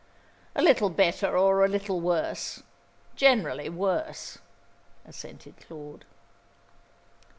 "A little better or a little worse; generally worse," assented Claude.